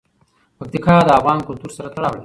پکتیکا د افغان کلتور سره تړاو لري.